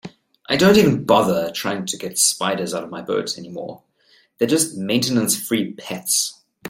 I don't even bother trying to get spiders out of my boat anymore, they're just maintenance-free pets.